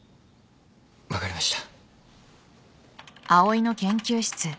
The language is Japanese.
分かりました。